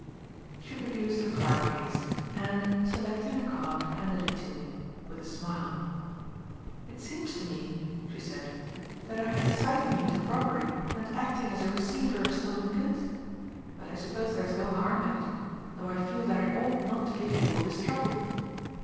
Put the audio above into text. She produced her card case, and, selecting a card, handed it to me, with a smile: "It seems to me," she said, "that I am inciting you to robbery and acting as a receiver of stolen goods, but I suppose there's no harm in it, though I feel that I ought not to give you all this trouble."